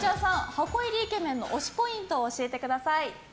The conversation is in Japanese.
箱入りイケメンの推しポイント、教えてください。